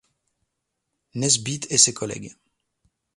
Nesbitt et ses collègues.